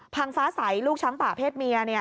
ฟ้าใสลูกช้างป่าเพศเมีย